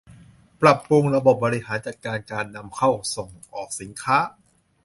ปรับปรุงระบบบริหารจัดการการนำเข้าส่งออกสินค้า